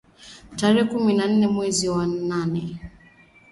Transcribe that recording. Marshal Idriss Déby tarehe kumi na nane mwezi wa nane